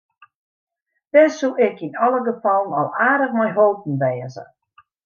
Dêr soe ik yn alle gefallen al aardich mei holpen wêze.